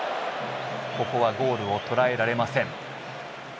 ここはゴールを捉えられません。